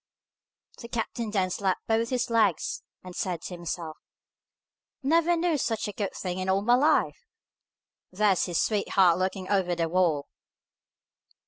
The captain then slapped both his legs, and said to himself, "Never knew such a good thing in all my life! There's his sweetheart looking over the wall!"